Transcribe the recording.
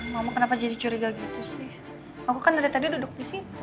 mama kenapa jadi curiga gitu sih aku kan dari tadi duduk di situ